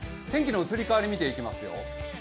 天気の移り変わり見ていきますよ。